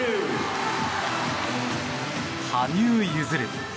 羽生結弦。